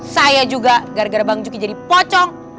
saya juga gara gara bang juki jadi pocong